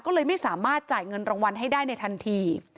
ก็เลยไม่สามารถจ่ายเงินรางวัลให้ได้ในทันที